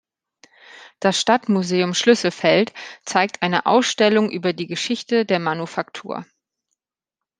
Das Stadtmuseum Schlüsselfeld zeigt eine Ausstellung über die Geschichte der Manufaktur.